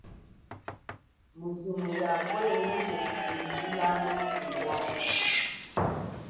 Mujimo lia kwenu keshikundjilamo nyi yala.